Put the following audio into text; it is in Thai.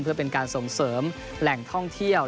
เพื่อเป็นการส่งเสริมแหล่งท่องเที่ยว